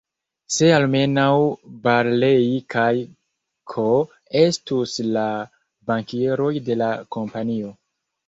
Se almenaŭ Barlei kaj K-o estus la bankieroj de la Kompanio!